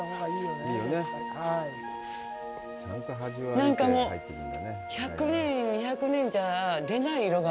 なんかもう１００年、２００年じゃ出ない色が。